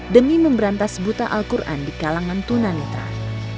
demi memberantas buta al qur'an di kalangan tunan netral